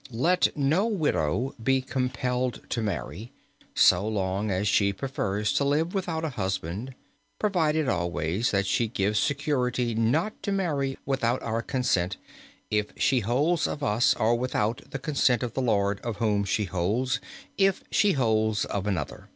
"Let no widow be compelled to marry, so long as she prefers to live without a husband; provided always that she gives security not to marry without our consent, if she holds of us, or without the consent of the lord of whom she holds, if she holds of another."